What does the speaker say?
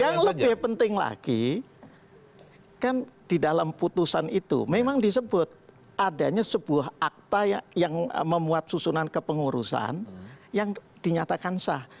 yang lebih penting lagi kan di dalam putusan itu memang disebut adanya sebuah akta yang memuat susunan kepengurusan yang dinyatakan sah